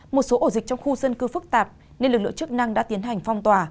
một số ổ dịch trong khu dân cư phức tạp nên lực lượng chức năng đã tiến hành phong tỏa